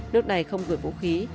nước này không gửi vũ khí